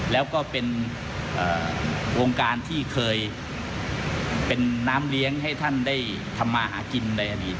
แล้วก็เป็นวงการที่เคยเป็นน้ำเลี้ยงให้ท่านได้ทำมาหากินในอดีต